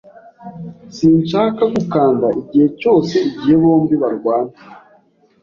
Sinshaka gukanda igihe cyose igihe bombi barwana.